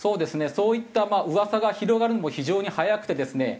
そういった噂が広がるのも非常に早くてですね